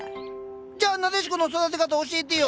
じゃあナデシコの育て方教えてよ！